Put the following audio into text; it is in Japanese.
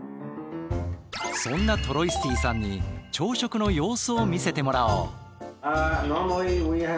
そんなトロイスティさんに朝食の様子を見せてもらおう。